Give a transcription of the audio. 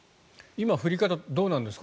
今、降り方はどうなんですか？